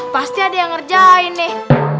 pasti ada yang ngerjain nih